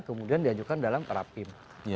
kemudian diajukan dalam terapim